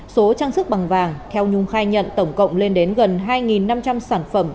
số trang sức bằng vàng theo nhung khai nhận tổng cộng lên đến gần hai năm trăm linh sản phẩm